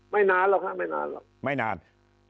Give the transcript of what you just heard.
ไม่นานหรอกครับไม่นานหรอก